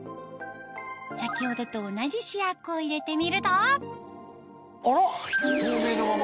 先ほどと同じ試薬を入れてみると透明のままだ。